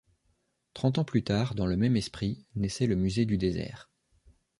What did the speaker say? Trente ans plus tard, dans le même esprit, naissait le musée du Désert.